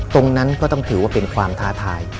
ตรงนั้นก็ต้องถือว่าเป็นความท้าทาย